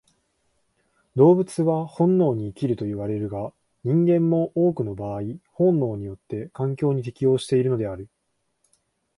動物は本能に生きるといわれるが、人間も多くの場合本能によって環境に適応しているのである。